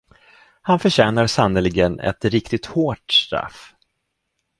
Han förtjänar sannerligen ett riktigt hårt straff.